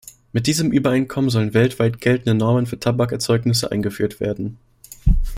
Mit diesem Übereinkommen sollen weltweit geltende Normen für Tabakerzeugnisse eingeführt werden.